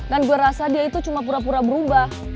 dan gue rasa dia itu cuma pura pura berubah